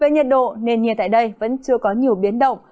nền nhiệt tại đây vẫn chưa có nhiều biến động